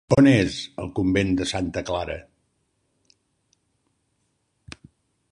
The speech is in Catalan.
On és el convent de Santa Clara?